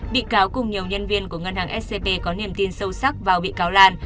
bị cáo cùng nhiều nhân viên của ngân hàng scb có niềm tin sâu sắc vào bị cáo lan